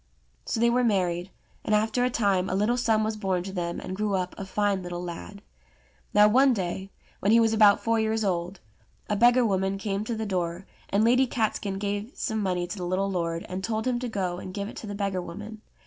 So they were married, and after a time a little son was born to them, and grew up a fine little lad. Now one day, when he was about four years old, a beggar woman came to the door, and Lady Catskin gave some money to the little lord and told him to go and give it to the beggar woman.